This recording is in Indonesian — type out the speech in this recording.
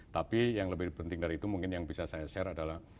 tapi yang lebih penting dari itu mungkin yang bisa saya share adalah